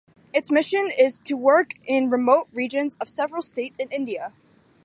Its mission is to work in remote regions of several states in India.